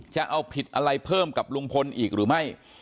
จะเอาผิดอะไรเพิ่มกับลุงพลอีกหรือไม่